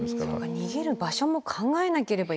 逃げる場所も考えなければいけない。